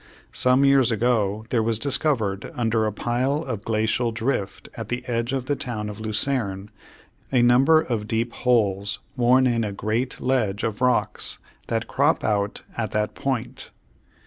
Some years ago there was discovered under a pile of glacial drift at the edge of the town of Lucerne a number of deep holes worn in a great ledge of rocks that crop out at that point.